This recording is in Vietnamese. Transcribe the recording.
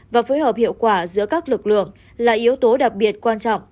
và phối hợp hiệu quả giữa các lực lượng là yếu tố đặc biệt quan trọng